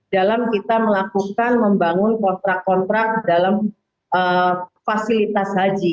dalam kita melakukan membangun kontrak kontrak dalam fasilitas haji